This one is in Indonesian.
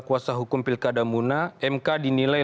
kuasa hukum pilkada muna mk dinilai